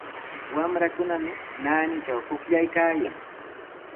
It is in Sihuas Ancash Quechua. Wamrakunami naanitraw pukllaykaayan.